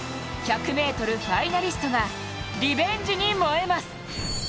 １００ｍファイナリストがリベンジに燃えます。